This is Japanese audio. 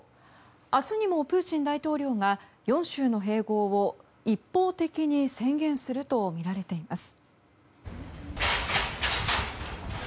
明日にもプーチン大統領が４州の併合を一方的に宣言するとみられています。